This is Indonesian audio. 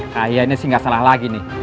kayaknya sih gak salah lagi nih